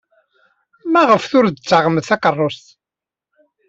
Maɣef ur d-tessaɣemt takeṛṛust?